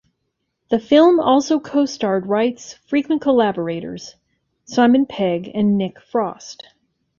The film also co-starred Wright's frequent collaborators Simon Pegg and Nick Frost.